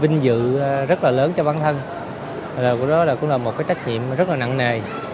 vinh dự rất là lớn cho bản thân và đó cũng là một trách nhiệm rất là nặng nề